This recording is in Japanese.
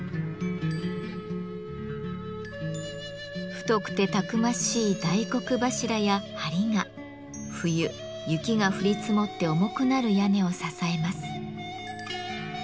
太くてたくましい大黒柱や梁が冬雪が降り積もって重くなる屋根を支えます。